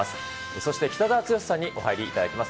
そして北澤豪さんにお入りいただきます。